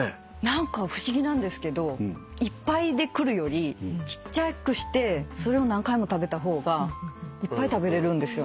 何か不思議なんですけどいっぱいで来るよりちっちゃくしてそれを何回も食べた方がいっぱい食べれるんですよね。